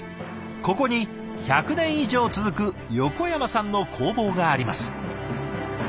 ここに１００年以上続く横山さんの工房があります。